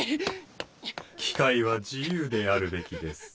機械は自由であるべきです。